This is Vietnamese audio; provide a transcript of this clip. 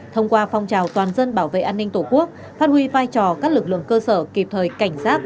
thông qua phong trào toàn dân bảo vệ an ninh tổ quốc phát huy vai trò các lực lượng cơ sở kịp thời cảnh giác